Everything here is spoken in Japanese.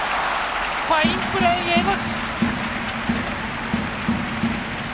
ファインプレー、江越！